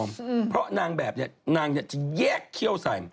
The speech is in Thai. นางเลอเชียว